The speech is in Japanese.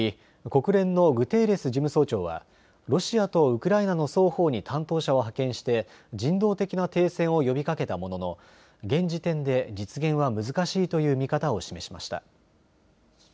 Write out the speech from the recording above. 国連のグテーレス事務総長はロシアとウクライナの双方に担当者を派遣して人道的な停戦を呼びかけたものの現時点で実現は難しいという見方を示しました。